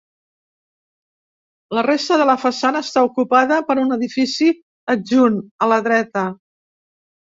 La resta de la façana està ocupada per un edifici adjunt, a la dreta.